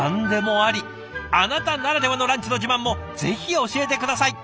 あなたならではのランチの自慢もぜひ教えて下さい。